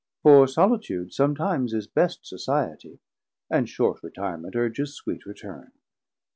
For solitude somtimes is best societie, And short retirement urges sweet returne.